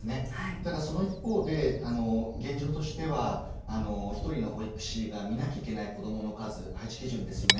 ただ、その一方で現状としては１人の保育士が見なきゃいけない子どもの数配置基準ですよね